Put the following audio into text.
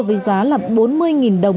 với giá trị của tỉnh hà nội